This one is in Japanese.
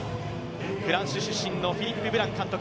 フランス出身のフィリップ・ブラン監督。